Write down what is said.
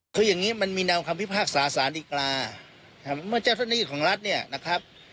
คือยังงี้มันมีแนวคำพิพากษ์สาสานอีกแล้วเมื่อเจ้าท่านนิกิตของรัฐเนี่ยนะครับ